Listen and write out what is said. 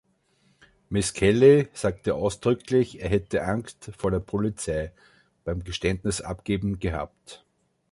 Misskelley sagte ausdrücklich, er hätte "Angst vor der Polizei“ beim Geständnis abgeben gehabt.